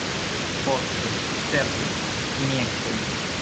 Poste, certe, injektoj.